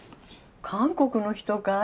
韓国の人かい？